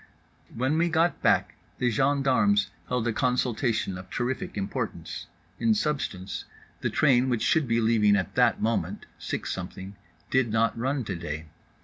When we got back the gendarmes held a consultation of terrific importance; in substance, the train which should be leaving at that moment (six something) did not run to day.